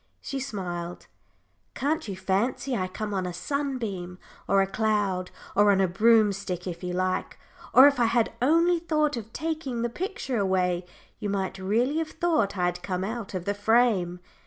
She smiled. "Can't you fancy I come on a sunbeam, or a cloud, or on a broomstick if you like? Or if I had only thought of taking the picture away, you might really have thought I had come out of the frame!